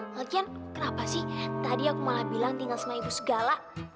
alkian kenapa sih tadi aku malah bilang tinggal sama ibu segala